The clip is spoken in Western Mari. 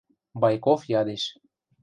— Байков ядеш.